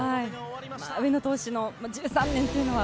上野投手の１３年というのは。